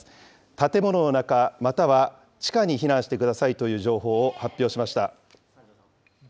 建物の中、または地下に避難してくださいという情報を発表しました。